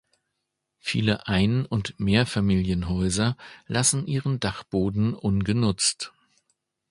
Viele Ein- und Mehrfamilienhäuser lassen ihren Dachboden ungenutzt.